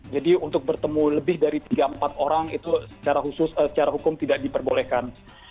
jadi untuk bertemu lebih dari tiga empat orang itu secara khusus secara hukum tidak diperbolehkan